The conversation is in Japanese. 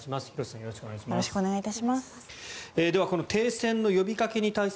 よろしくお願いします。